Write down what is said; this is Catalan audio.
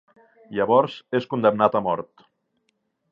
Llavors és condemnat a mort.